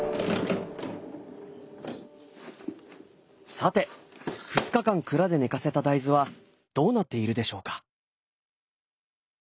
さて２日間蔵で寝かせた大豆はどうなっているでしょうか？